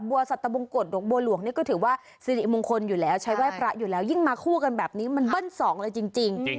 สัตบงกฎดอกบัวหลวงนี่ก็ถือว่าสิริมงคลอยู่แล้วใช้ไหว้พระอยู่แล้วยิ่งมาคู่กันแบบนี้มันเบิ้ลสองเลยจริง